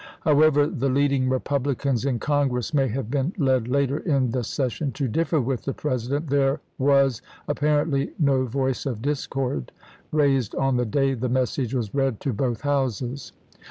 However the leading Repub licans in Congress may have been led later in the session to differ with the President, there was ap parently no voice of discord raised on the day the message was read to both Houses.